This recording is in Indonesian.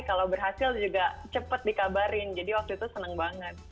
kalau berhasil juga cepet dikabarin jadi waktu itu seneng banget